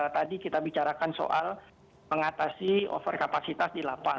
tadi kita bicarakan soal mengatasi overkapasitas di lapas